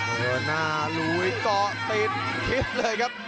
เมื่อหน้าหลุยก่อติดคิดเลยครับ